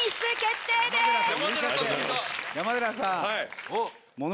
山寺さん。